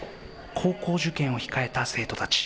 高校受験を控えた生徒たち。